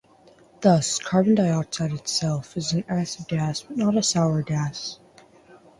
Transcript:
Thus, carbon dioxide by itself is an acid gas but not a sour gas.